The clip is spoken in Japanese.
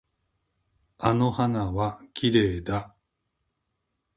あの花はきれいだ。